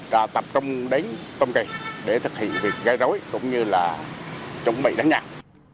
đã tập trung đến tâm kỳ để thực hiện việc gây dối cũng như là chuẩn bị đánh nhau